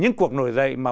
những cuộc nổi dậy mà